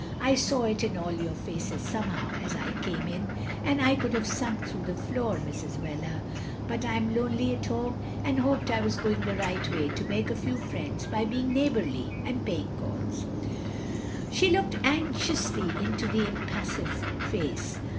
I saw it in all your faces, somehow, as I came in, and I could have sunk through the floor, Mrs. Wheler — ^but I am very lonely at home, and hoped I was going the right way to make a few friends by being neighbourly, and paying calls. " She looked anxiously into the impassive face.